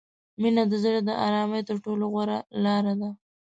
• مینه د زړه د آرام تر ټولو غوره لاره ده.